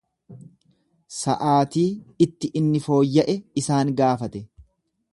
Sa'aatii itti inni fooyya'e isaan gaafate.